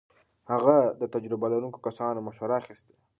هغه د تجربه لرونکو کسانو مشوره اخيسته.